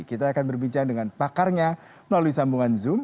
kita akan berbincang dengan pakarnya melalui sambungan zoom